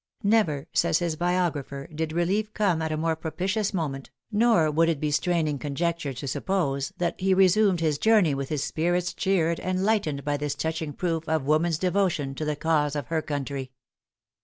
"Never," says his biographer, "did relief come at a more propitious moment; nor would it be straining conjecture to suppose that he resumed his journey with his spirits cheered and lightened by this touching proof of woman's devotion to the cause of her country."